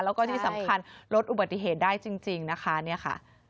แล้วก็ที่สำคัญลดอุบัติเหตุได้จริงนะคะ